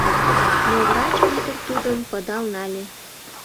Но врач ӱдыр тудым пыдал нале.